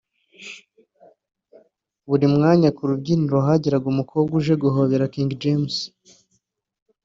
Buri mwanya ku rubyiniro hageraga umukobwa uje guhobera King James